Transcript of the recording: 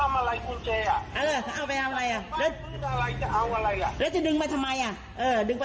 ไม่ได้เอาไงจะเอาไปทำไม